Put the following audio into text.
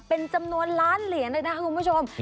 เป็นจำนวนล้านเหรียญเลยนะคุณผู้ชม